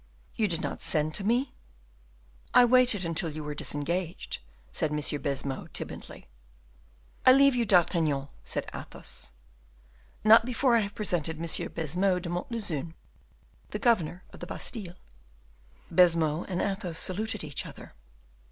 "You did not send to me?" "I waited until you were disengaged," said Monsieur Baisemeaux, timidly. "I leave you, D'Artagnan," said Athos. "Not before I have present Monsieur Baisemeaux de Montlezun, the governor of the Bastile." Baisemeaux and Athos saluted each other.